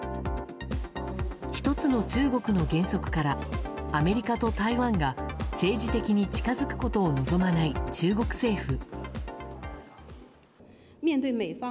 １つの中国の原則からアメリカと台湾が政治的に近づくことを望まない中国政府。